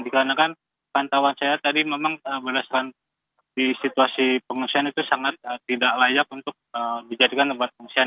dikarenakan pantauan saya tadi memang berdasarkan di situasi pengungsian itu sangat tidak layak untuk dijadikan tempat pengungsian